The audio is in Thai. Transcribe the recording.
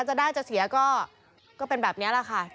จะได้จะเสียก็เป็นแบบนี้แหละค่ะ